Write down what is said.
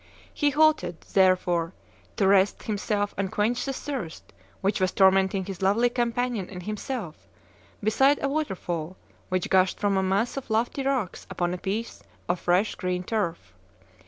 He halted, therefore, to rest himself and quench the thirst which was tormenting his lovely companion and himself, beside a waterfall which gushed from a mass of lofty rocks upon a piece of fresh, green turf.